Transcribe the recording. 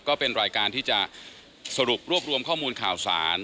ก็เป็นรายการที่จะสรุปรวบรวมข้อมูลข่าวสาร